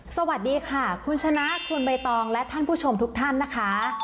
สวัสดีค่ะคุณชนะคุณใบตองและท่านผู้ชมทุกท่านนะคะ